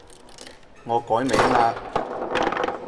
我改名嘞